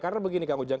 karena begini kang ujang